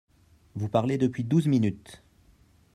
Vous parlez depuis douze minutes